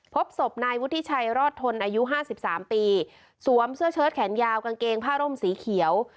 พบศพนายวุฒิชัยรอดทนอายุห้าสิบสามปีสวมเสื้อเชิดแขนยาวกางเกงผ้าร่มสีเขียว